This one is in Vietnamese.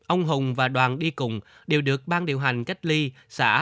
ông hùng và đoàn đi cùng đều được ban điều hành cách ly xã